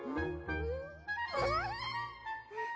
うん！